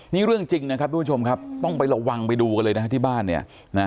นี่เรื่องจริงนะครับทุกผู้ชมครับต้องไประวังไปดูกันเลยนะฮะที่บ้านเนี่ยนะ